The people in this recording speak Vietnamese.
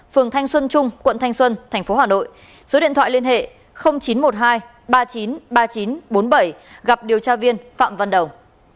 phường thanh xuân trung quận thanh xuân tp hà nội số điện thoại liên hệ chín trăm một mươi hai ba mươi chín ba nghìn chín trăm bốn mươi bảy gặp điều tra viên phạm văn đồng